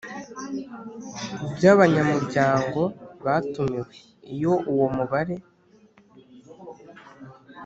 bya abanyamuryango batumiwe Iyo uwo mubare